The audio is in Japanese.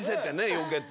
よけて。